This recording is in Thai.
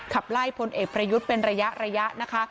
ขับไล่พลเอกประยุทธ์เป็นระยะนะคะ